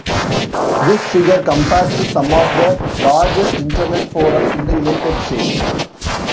This figure compares to some of the largest Internet forums in the United States.